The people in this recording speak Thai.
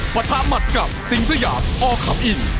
ประทะหมัดกับสิงสยามอขำอิน